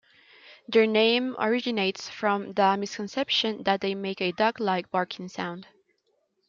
Their name originates from the misconception that they make a dog-like barking sound.